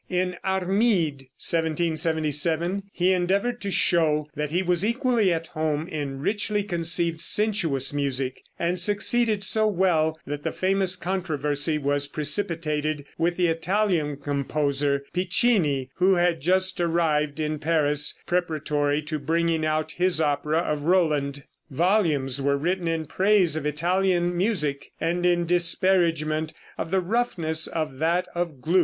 In "Armide," 1777, he endeavored to show that he was equally at home in richly conceived sensuous music, and succeeded so well that the famous controversy was precipitated with the Italian composer, Piccini, who had just arrived in Paris, preparatory to bringing out his opera of "Roland." Volumes were written in praise of Italian music, and in disparagement of the roughnesses of that of Gluck.